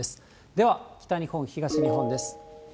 では、北日本、東日本です。